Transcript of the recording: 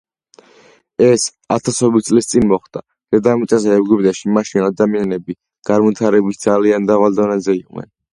ეს ათასობით წლის წინ მოხდა, დედამიწაზე, ეგვიპტეში, მაშინ ადამიანები განვითარების ძალიან დაბალ დონეზე იყვნენ.